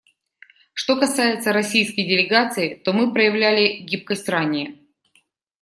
Что касается российской делегации, то мы проявляли гибкость ранее.